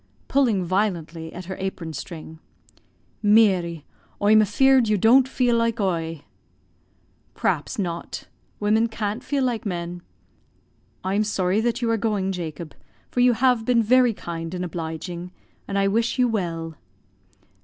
(pulling violently at her apron string.) "Meary, oi'm afear'd you don't feel like oie." "P'r'aps not women can't feel like men. I'm sorry that you are going, Jacob, for you have been very kind and obliging, and I wish you well."